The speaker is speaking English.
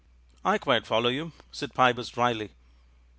"I quite follow you," said Pybus drily.